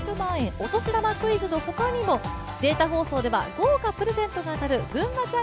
お年玉クイズのほかにもデータ放送では豪華プレゼントが当たるぐんまちゃん